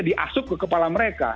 diasuk ke kepala mereka